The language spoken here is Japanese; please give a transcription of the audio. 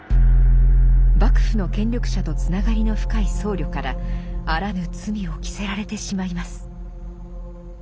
幕府の権力者とつながりの深い僧侶からあらぬ罪を着せられてしまいます。